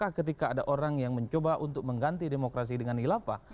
ketika ada orang yang mencoba untuk mengganti demokrasi dengan hilafah